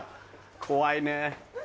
怖いね。